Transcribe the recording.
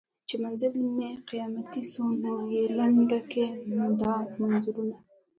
چي منزل مي قیامتي سو ته یې لنډ کي دا مزلونه